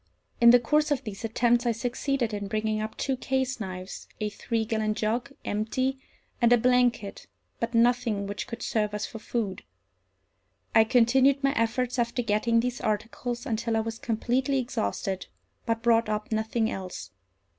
In the course of these attempts I succeeded in bringing up two case knives, a three gallon jug, empty, and a blanket, but nothing which could serve us for food. I continued my efforts, after getting these articles, until I was completely exhausted, but brought up nothing else.